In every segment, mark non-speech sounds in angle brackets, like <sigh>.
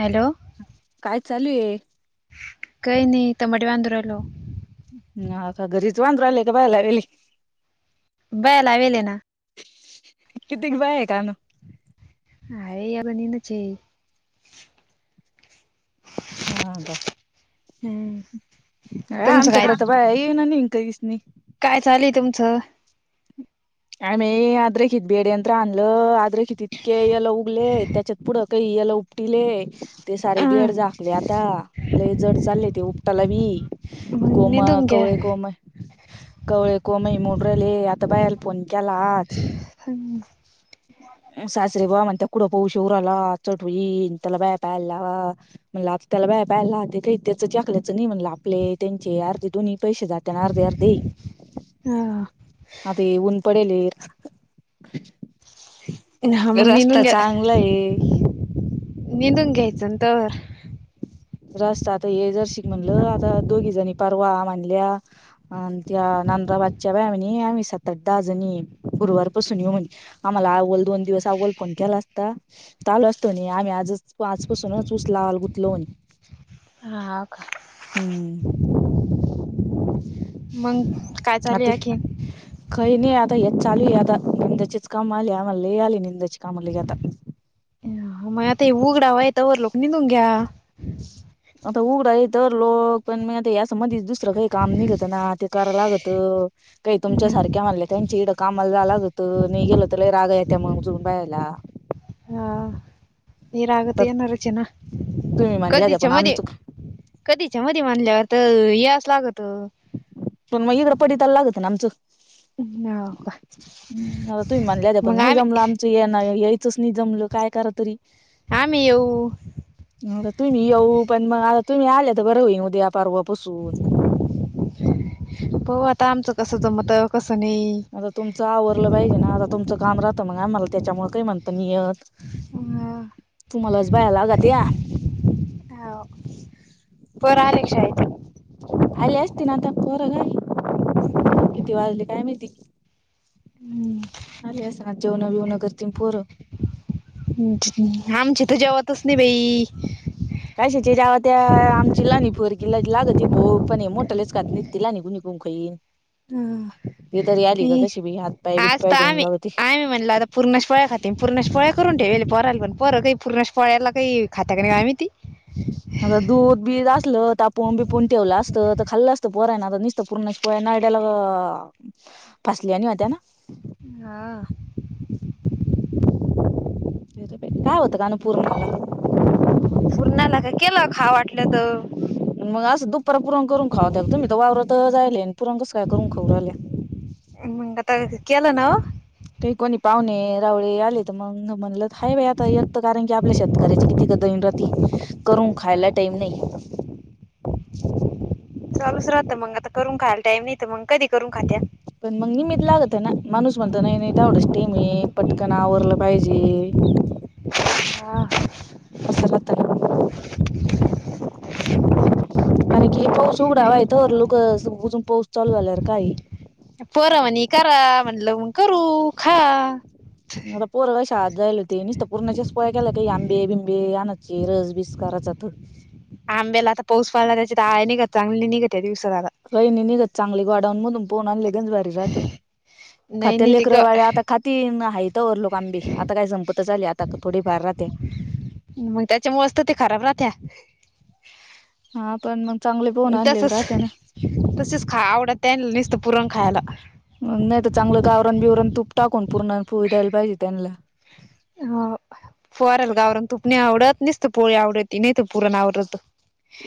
Hello काय चालू ये? काई नई टमाटे बांधु राहिलो. हा का घरीच बांधू राहिल्या का बाया लावेल ये. बाया लावेल ये ना. कितीक बाया ये कान? काय आता नेनच हे हा का हम्म. तुमचं काय आमच्याकड तर बाया येईना. <unintelligible> काय चालुये तुमचं? आम्ही आद्रेखीत बेड यंत्र आणलं आद्रेखित इतके यल उगले त्याच्यात पुढं ते यल उपटीले, ते सारे अं, बेड झाकले आता. लई जड चालले ते उपटाला बी मग कोम, निंदून घ्या कवळे कोम. कवळे कोम हे मोडू ऱ्हायले आता बायला फोन केला आज. सासरी बुवा म्हणतात कुड पाऊश येऊ ऱ्हायला चोट होईन त्याला बायां पायाल लावा. म्हणलं आता त्याला बाया पाह्यला लावते काही त्याच चाकल्याच नई म्हणलं आपले त्यांचे अर्धे दोन्ही पैशे जात ते आर्धे आर्धे हा ते ऊन पडेल ये. हा मग निंदून रस्ता घ्या चांगला ये. निंदून घ्यायचंन तवर. रस्ता आता हे जरशीक म्हणलं आता दोघी जणी परवा हा म्हनल्या. आन त्या नांदराबाद च्या बाया म्हणे आम्ही सात आठ दहा जणी ये गुरुवारपसून येऊ म्हणे. आम्हाला आव्वल दोन दिवस आव्वल फोन केला असता? त आलो असतो म्हने आम्ही आजच आजपासूनच ऊस लावाला गुतलो म्हने. हाव का? हम्म. मग काय आता चालूया खी? काही नाही आता हेच चालू हाय, आता यंदाचेच काम आले आम्हाला लय आले यंदाचे काम लय आता. अं, मग आता उघडावा आहे, तोवर लोक नि <unintelligible> घ्या. आता उघडा ये तर लोक पण मी आता हे अस मधीच दुस दुसर काही काम निघतना ते करा लागत, काही तुमच्या हम्म. सारख्या म्हणल्या त्यांच्या इड कामाला जा लागत नई गेलं तर लई रागा यात्या मगजून बायला ये रागत येणारच येना तुम्ही म्हणल्या होत्या कधीच्या पण मध्ये. आमचं कधी जेव्हा तेव्हा आणल्या तर हे असं लागतं. पण मग, इंकड पडितायला लागतय आमच्यात का हा, तुम्ही म्हणल्या पण, मग नाही जमला आम्ही आमच्या तो येना यायचच नाही जमलं, काय करा तरी. आम्ही येऊ. मग तुम्ही येऊ, पण मग आता तुम्ही आले तर बरं होई उद्या परवापसून. हो आता आमचं कसं जमतं, कसं नाही. आता तुमचं आवरलं पाहिजे ना? आता तुमचं काम राहत मग, आम्हाला त्याच्यामुळे काही म्हणत नाही येत. ह. तुम्हालाच बाया लागत्या हो पोर आली का शाळेतून? आली असती ना आता <unintelligible> किती वाजले काय माहीती? हम्म आले असणार जेवणं बीवन करतील पोर. हं हं आमची तर जेवतच नाही बाई. काय, श जेव्हा त्या आमची लहानी पोरगी तिला लागते भूक. पण मोठलेच खात नाही. तिला निघून निघून खाई. हम्म ती तरी आली का, कशी बी हातपाय आज बीतपाय तर धुऊन आम्ही लावती. आम्ही म्हणलं, आता पुरणाच्या पोळ्या खाते. आन पुरणाच्या पोळ्या करून ठेवेल पोरांनापण, पोरं काही पुरणाच्या पोळ्याला काही खाता का नाही काय माहिती. आता दूध, बीध असलं तापून, बिपून ठेवलं असतं. तर खाल्लं असतं पोरांना नु त्या पुरणाच्या पोळ्या नरड्याला फासल्यावाणी होत्या ना? हा. <unintelligible> काय होतं काण पुरणाला? पुर्णाला का? केलं खाव वाटलं तर. मग असं दुपार पुरण करून खाव्यात तुम्ही तर वावरताच जाय. आणि पुरण कस काय? करून खावू राहील्या. हा मग आता केलं ना ओ. ते कोणी पाहुणे रावळे आले तर मग म्हणलं, हाय बाई आता एकत कारण की आपल्या शेत करायचे किती कादर येऊन राती, करून खायला टाईम नाही. चालूच राहत्या मग, आता करून खायला टाईम नाहीतर मग कधी करून खात्या? पण मग निमित लागतं ना, माणूस म्हणतो. नाही नाही तेवढंच टाईम हाय, पटकन आवरलं पाहिजे. हो. कसा राहतो. कारण की पाऊस उघडावाय तोवर लोक <unintelligible> पाऊस चालू झाल्यार काही पोरावाणी करा, म्हटलं मग करू खा. आता पोर काय शाळेत जायल होते. नुसतं पुरणाच्याच पोळ्या केला काही, आंबे बिंबे आणायचे, रस बीस करायचा तो? आंब्याला आता पाऊस पडला. त्याची आळया निघत. चांगली नाही निघत या दिवसा आता. होय <unintelligible> चांगले गोडाऊनमधून पोन आणले गंज भारी राहते. नाही खात्या नाही ते लेकर, ग बाळं आता खा तीन हाय तवरलोक आंबे, आता काय संपतच आली, आता थोडीफार राहते. मग त्याच्यामुळेच ते खराब राहत्या. हा पण मग चांगले पोन आणलेत तसच राहते ना. तसेच खाय आवडत्या निसतं पुरण खायला. नाही तर चांगलं तर आवरून बिवरून तूप टाकून, पुरणाची पोळी तयार करायची त्यांनला. ह पोराला गावरान तूप नाही आवडत, निसतं पोळी आवडती, नायतर पुरण आवडत.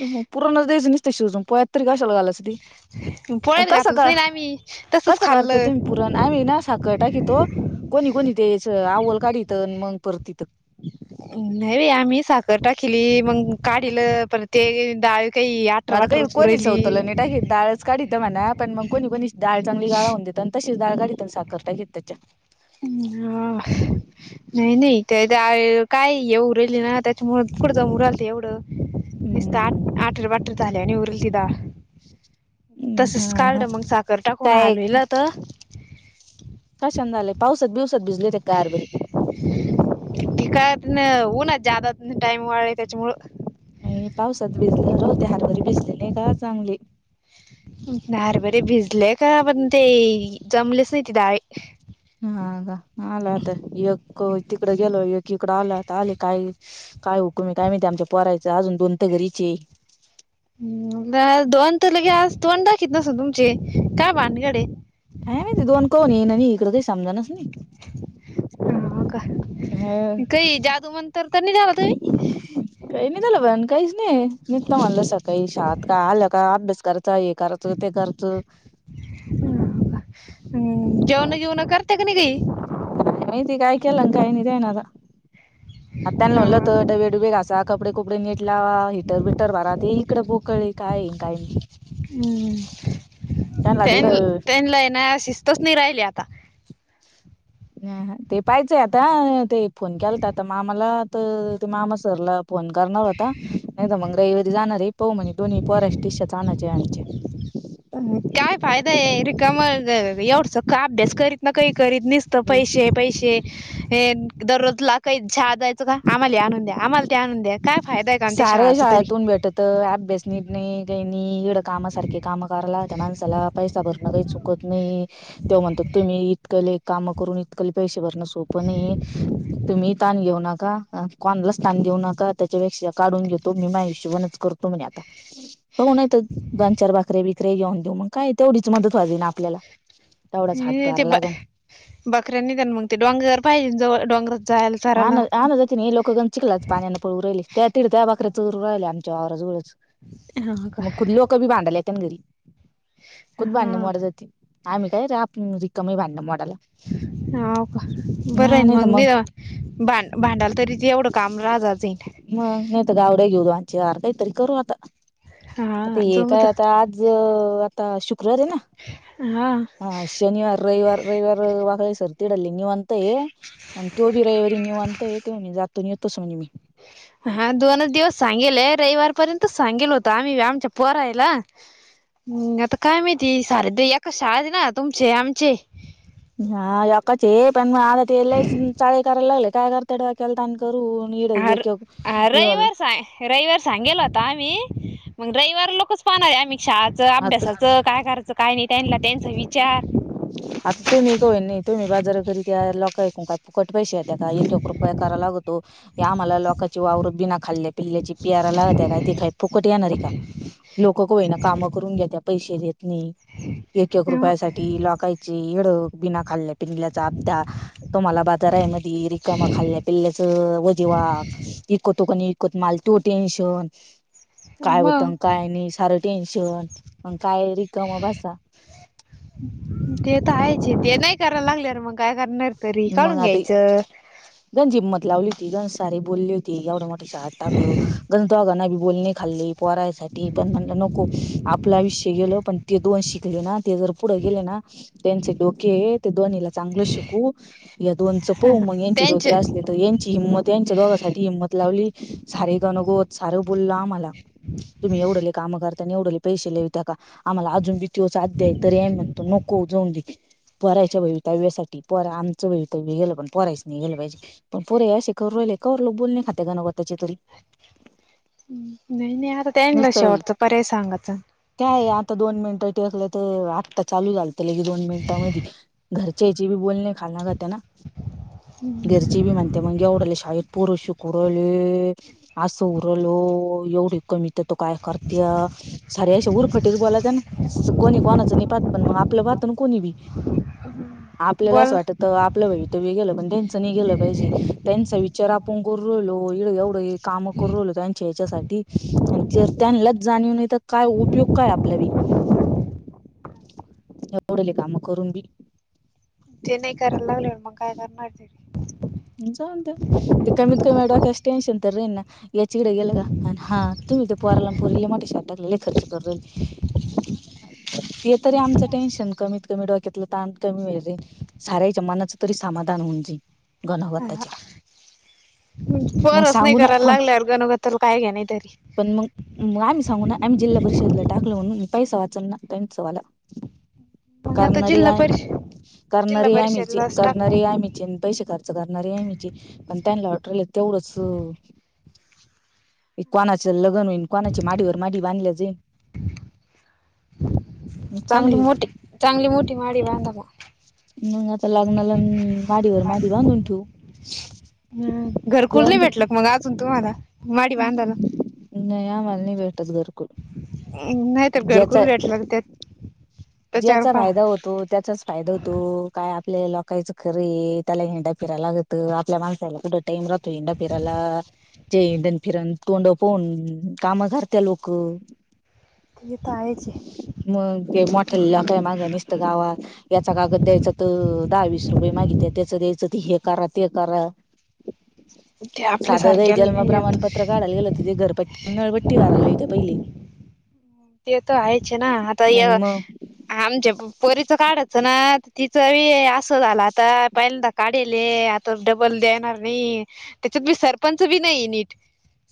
हं हं पुरणच द्यायचं नुसतं शिजवून, पोळ्यात तरी कशाला घालायचं? पोळ्यात कस घातलंच गं, नाही ना आम्ही तसच कस करता खाल्लं. तुम्ही. पुरण आम्ही ना साखर टाकीतो कोणी कोणी? दयाच आवल काढीत तर मग परत तिथं. नाही बाई, आम्ही साखर टाकली मग, काढीलं पर ते डाळी आता काही कोणीच होतं लय निट हाय हे डाळच काढतं म्हणा पण मग कोणी कोणी डाळ चांगली, गाळ होऊन देत आणि तशीचडाळ काढीतात साखर टा घेत त्यांच्या. <unintelligible> नाही नाही काय <unintelligible> निस्त‌ आठ हम्म आठर बाटर ले, आणि उरल ति डाळ. तसंच हा हा काढलं मग, साखर टाकून काय हलविला होता. कशान झालंय, पावसात बिवसात भिजले होते का हरभरे? ते काय पण ऊन्हात जादा, टाइम वाळय तेच्या मुळं. नाही पावसात भिजले राव होते, हरभरे घरी भिजलेले का चांगली. हरभरे भिजले का म्हणते, जमलेच नाही ते डाळी. हा का आलाता एक होता, तिकड गेलो एक इकड आलंत आले काही. काय हुकुमी आहे काय माहिते, आमच्या पोरायचं अजून दोन् घरीचे. नाय दोन तर लगेच आज तोंड दाखवीत नसेल, तुमचे काय भानगडे. काय माहिती दोन कोण येईना, इकडे काही समजत नाही. हां का अ काही जादू मंतर तर, नाही झाला तुम्ही. काही नाही झालं काहीच नाही, मिस्त म्हणलं सकाळी शाळेत का आलय. कां अभ्यास करायचां हे, करायचं ते कराचं ह हम्म जेवणं बिवणं करते का नाही गं ही? महिती काय केला, काय नाही देणारा. आत्यांना म्हणलं हा होतं, का. डबे डुबे घासा, कपडे कपडे नेटला हिटर बिटर भरात, ती इकडं पोकळ काय काय नाही. हम्म. त्यांना त्यां तिकडं त्यांनला आहे ना, शिस्तच नाही राहिली आता. ह ते पाहाचंय आता. ते फोन केलता, तर आता मामाला तर ते मामा सरला फोन करणार होता नाही तर, मग रविवारी जाणारे पाहू म्हणे दोन्ही पोरांचे तिशाच आणायचे. काय फायदा आहे, रिकामं एवढस का अभ्यास करीत ना, काही करीत. निस तर पैसे पैसे. हे दररोजला काही छा द्यायचं का, आम्हाला ते आणून द्या आम्हाला ते आणून द्या. काय फायदा का, त्या सारं शाळाचा तरी. शाळेतून भेटत अभ्यास नीट नाही काय नाही, येडं कामा सारखी काम करू लागतात पैसा भरणारे चुकतं. कत नाही. तेव्हा तुम्ही इतक काम करून इतकही पैसे भरणं सोपं नाही तुम्ही ताण घेऊ नका, कोणाला ताण देऊ नका. त्याच्यापेक्षा काढून घेतो मी माया हिशोबाने करतो म्हणे आता. पाहू नाहीतर दोन चार भाकऱ्या वीक तरी येऊन देऊ, मग काय तेवढीच मदत व्हावी ना आपल्याला. तेवढाच हातभार लागन <unintelligible> डोंगर जवळ. जायला आन चारायला आणूदेत. की लोकं गण चिकलाच पाण्यांनं पळू राहिली, त्या तिड त्या बाकऱ्या चोरू राहिले आमच्या वावराजवळच. हा का मग खुद लोक बी भांडाला येत ना, घरी खुद भांडणं मारत हा जाते. आम्ही काय रिकामे, भांडण मोडायला. हौव काय बरं हा आहे नाही तर मग द्या. भां भांडाल तरी, एवढं काम राजा झे. मन नाहीतर गार्डन घेऊ, दोन-चार काहीतरी करू आता हा ते जमत येताय आता. ज.. आता शुक्रार आहे ना. हां. हा शनिवार रविवार, रविवार वागळे सर तिकडं लय निवांत हाय. अन तो भी रहे ते निवांत ते <unintelligible> म्हणी जातो न येतो सोडुन मी. ह <unintelligible> हा दोनच दिवस सांगेले रविवार पर्यंत सांगेल होत आम्ही आमच्या पोरायला हम्. आता काय माहिती सारे, एका शाळेत ना तुमचे आमचे. हा एकच हाय, पण आता ते लयच चाळे करायला लागले. काय करता डोक्याला ताण करून? आर हा रविवार <unintelligible> सांग रविवार सांगेल होता आम्ही, मग रविवार लोकच पाहणार आहे आम्ही शाळाचं आता अभ्यासाचं. काय करायचं काय नाही त्यांनला तेच विचार. आता तुम्ही <unintelligible> नाही तुम्ही बाजारा घरी त्या लोकाकून काय फुकट पैसे त्याचा एक एक रुपया कराय लागतो की आम्हाला हे लोकाची वावर बिना खाल्ले पिल्याची पेरा लावत्यात, ते काय तिथं फुकट येणार आहे का लोक कोईना कामं करून घेत्यात पैसे देत नाही. एक एक रुपया साठी लोकाचे हेड बिना खाल्ल्या पिंल्याचा फापता तुम्हाला बाजारायमधी रिकाम खाल्ल्या पिल्ल्याचं वजे व्हा इकतो काणी इकत माल तो टेन्शन काय होत मग न काय नाही सारं टेन्शन अन काय रिकाम बसा ते तर हायचे ते नाही करायला लागलेवर मग काय करणार तरी काढून घ्यायचं. गणज हींमत लावली होती गण सारे बोलले होती एवढा शाळात टाकलं गंज दोघांन बी बोलणे खाले पोरायसाठी पण म्हणल नको आपलं आयुष्य गेल पण ते दोन शिकले ना, ते जर पुढे गेले ना, त्यांचे डोके ते दोन्हीला चांगलं शिकवू या दोनच पाहू मग यांचे डोके त्यांचे असले तेत यांची हिंमत यांच्या दोघां साठी हिंमत लावली सारे गणं गोत सार बोललं आम्हाला. तुम्ही एवढेले काम करता आणि एवढेले पैसे लावीता का? आम्हाला अजून बी तोच आद्या आहे तरी म्हणतो नको जाऊन दे. पोरायच्या भवीतव्यासाठी. पोरा आमचं भवितव्य गेलं, पण पोरायच नाही गेलं पाहिजे. पण पोर हे असं करु राहिले, कवर लोक बोलणे खाता गनंगोताचे तर. नाही नाही आता त्यांनला नुसतं शेवटचा पर्याय सांगायचं. काय आता दोन मिनट टेकलतर, आत्ता चालू झालतं लगी दोन मिनिटांमधी. घरच्याचेबी बोलणे खाल न त्याना घरचे बी म्हणते ते मग एवढाले शाळेत पोर शिकू राहिले असं होऊ राहिल एवढी कमी ते तर काय करत्याल. सारे असे उर्फटे बोलायत अन. कोणी कोणाचं निपात पण मग आपलं पाहातण कोणी बी आपल्याला अस बोल वाटत आपलं भवितव्य गेलं पण त्यांच नाही गेलं पाहिजे त्यांचा विचार आपण करून राहिलो एवढं काम करू राहिलो त्यांच्या ह्याच्यासाठी. आणि जर त्यांनाच जाणीव नाही तर काय उपयोग काय आपला बी? <unintelligible> <inaudible> एवढाले काम करून बी ते नाही करायला लागलेवर मग काय करणार तरी? जाऊद्या ते कमीत कमी डोक्याचं टेन्शन तर राहीना याचेकडे गेलं का अन हा तुम्ही तर पोराला पोरीला लय मोठ्याशाळेत टाकल लय खर्च करू राहिले ह <unintelligible> ते तरी आमचं टेन्शन कमीत कमी डोक्यातलं ताण कमी होईल रे. साऱ्याच्या मनाचं तरी समाधान होऊन जाईल गणा गोताच्या. पोरच नाही करायला लागल्यावर, गनागोताला काय घेणं हाय तरी. पण मग मग आम्ही सांगू ना, आम्ही जिल्हा परिषदला टाकलं म्हणून. पैसा वाचल ना त्यांचावाला. ह <unintelligible> करणारे आम जिल्हा करणारे आम्हीच आहे, परिषदलाच टाकणे करणारे आम्हीच आहे अन पैसे काड करणारे आमीच हाय, पण त्यानी वाटून राहील तेवढंच की कोणाचं लग्न होईन, कोणाची माडीवर माडी बांधल्या जाईन. चालू चांगली आहे मोठी चांगली मोठी माडी बांधा म. मंग आत त लग्नाला अन माडीवर माडी बांधून ठेवू हम्म. घरकुल जाऊन नाही द्या. <unintelligible> माडी बांधायला. नाही आम्हाला नाही भेटत घरकुल नाही तर ज्याचा गरकुल भेटल्या गं त्यात. ज्याचा फायदा होतो त्याचाच फायदा होतो काय आपल्या लोकाचं खर त्याला हिंड्या फिरायला ला <unintelligible> गतं आपल्या माणसाला टाइम राहतो हिंडा फिराला जे हिंडण फिरण तोंड पाहून काम करत्या लोक. तेत आहेच हे. मग ते मोठ्या लोका य मागं निसतं गावात <unintelligible> याचा कागद द्यायचा तर दहा वीस रुपये मागिते त्याचं द्यायचं तर हे करा ते करा. ते साध जरी आपल्यासारख्याला जन्म नाही येत प्रमाणपत्र काढाय गेलं तिथे घरपट्ट नळपट्टी वारायला लावीते पहिले. ते तर हायचे ना आता आणि या मग आमच्या पोरीचं काढायचं ना ती चवी असं झालं आता पहिल्यादा काढले आता डबल देणार नाही. त्याच्यात बी सरपंच बी नाही नीट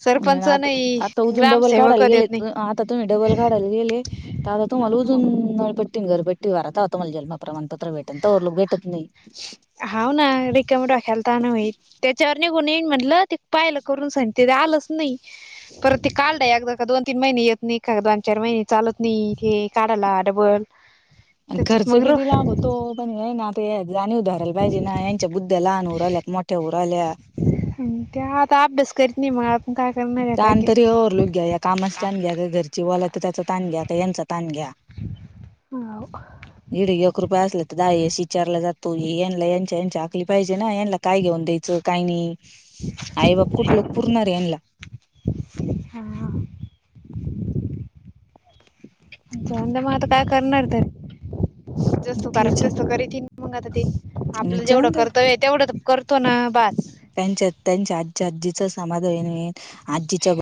सरपंच आता नाही आता उजून डबल ग्रामसेवक काढायला देत गेले नाही. आता तुमी डबल काढयला गेले तर आता तुम्हाला उजुळ नळप तुम्ही घरपट्टी भरा तव्हा तुम्हाला जन्मप्रमाण पत्र भेटल तो भरलो भेटत नाही. हाव ना रिकामा डोक्याला ताण होई. त्याच्यावर निघुन येईल म्हटलं ते पाहिलं करून सनी ते आलंच नाही. परत ते काढलं एकदा का दोन तीन महिने येत नाही का दोन चार महिने चालत की काढाला डबल <unintelligible> त्याच्यात खर्च मग र किती लागतो? तो पण हे ना आता जाणीव धरयला पाहिजे ना यांच्या बुद्ध्या लहान होऊ राहल्या का मोठ्या होऊ राहल्या. हम्म ते आता अभ्यास करीत नी माग. ताण तरी ओव्हरलो घ्या या कामाच ताण घ्या का घरची बोलते त्याचा ताण घ्या का यांचा ताण घ्या. हो <unintelligible> इड एक रुपये असला तर दहा वेळेस विचारला जातो यांला यांच्या याच्या आकली पाहिजे ना यांला <unintelligible> काय घेऊन द्यायचं काय नाही आई बाप कुठलो पुरणार आहे यांला. हां. जाऊं द्या म आता काय करणार तरी. जसं करा तेच तसं करीतीन मग आता ते मग आपलं जेवढं जाऊन दे कर्तव्य तेवढं करतो ना बास. त्यांच्या त्यांच्या आजा आजीच समाधान आहे आजीच्या